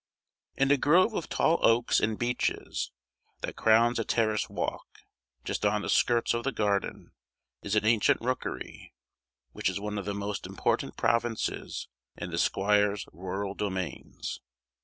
In a grove of tall oaks and beeches, that crowns a terrace walk, just on the skirts of the garden, is an ancient rookery, which is one of the most important provinces in the squire's rural domains.